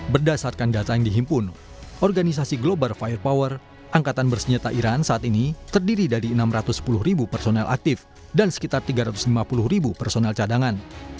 berdasarkan data yang dihimpun organisasi global firepower angkatan bersenjata iran saat ini terdiri dari enam ratus sepuluh personel aktif dan sekitar tiga ratus lima puluh ribu personel cadangan